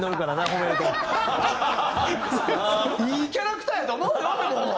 いいキャラクターやと思うよでも。